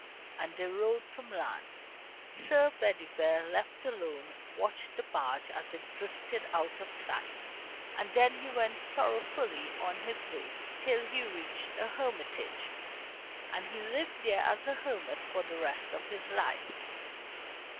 And they rowed from land. Sir Bedivere, left alone, watched the barge as it drifted out of sight, and then he went sorrowfully on his way, till he reached a hermitage. And he lived there as a hermit for the rest of his life.